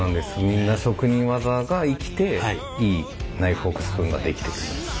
みんな職人技が生きていいナイフフォークスプーンが出来てく。